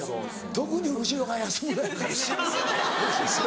特に後ろが安村やからね。